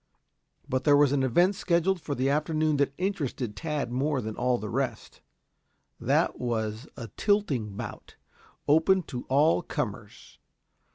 But there was an event scheduled for the afternoon that interested Tad more than all the rest. That was a tilting bout, open to all comers.